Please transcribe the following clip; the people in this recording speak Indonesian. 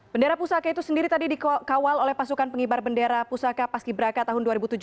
bendera pusaka itu sendiri tadi dikawal oleh pasukan pengibar bendera pusaka paski braka tahun dua ribu tujuh belas